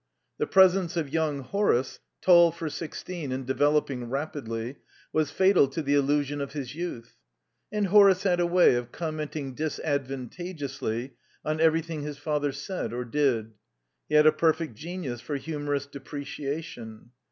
The presence of young Horace tall for sixteen and developing rapidly was fatal to the illusion of his youth. And Horace had a way of commenting disadvantageously on everything his father said or did; he had a perfect genius for humorous depreciation.